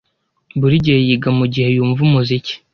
Buri gihe yiga mugihe yumva umuziki.